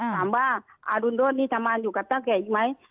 ถามว่าอรุณโดดนี่ทำงานอยู่กับเท่าแก่อีกไหม